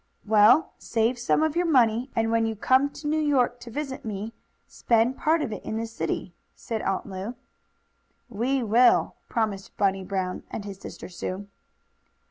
"Well, save some of your money, and when you come to New York to visit me you can spend part of it in the city," said Aunt Lu. "We will," promised Bunny Brown and his sister Sue.